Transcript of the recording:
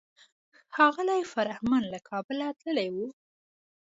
ښاغلی فرهمند له کابله تللی و.